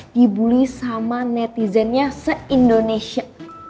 dibully sama netizennya se indonesia